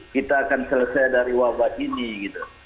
kita akan selesai dari wabah ini gitu